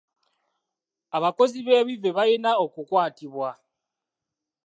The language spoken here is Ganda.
Abakozi b'ebivve balina okukwatibwa.